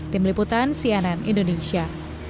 tim liputan cnn indonesia